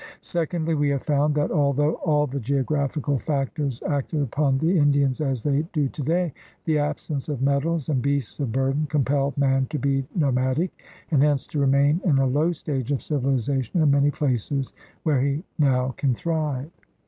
Secondly, we have found that, although all the geographical factors acted upon the Indian as they do today, the absence of metals and beasts of burden compelled man to be nomadic, and hence to remain in a low stage of civilization in many places where he now can thrive.